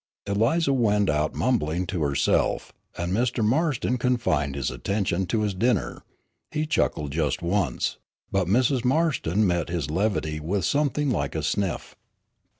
Eliza went out mumbling to herself, and Mr. Marston confined his attentions to his dinner; he chuckled just once, but Mrs. Marston met his levity with something like a sniff.